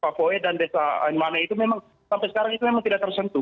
pak poe dan desa ain mana itu memang sampai sekarang itu memang tidak tersentuh